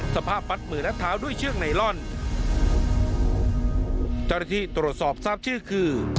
สภาพปัดมือและเท้าด้วยเชือกไนลอนเจ้าหน้าที่ตรวจสอบทราบชื่อคือ